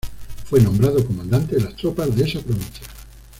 Fue nombrado comandante de las tropas de esa provincia.